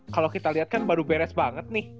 kalau kita lihat kan baru beres banget nih